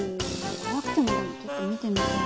怖くてもちょっと見てみたい。